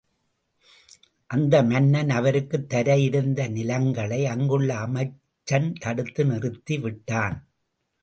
அந்த மன்னன் அவருக்கு தர இருந்த நிலங்களை அங்குள்ள அமைச்சன் தடுத்து நிறுத்தி விட்டான்.